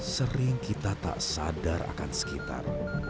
sering kita tak sadar akan sekitar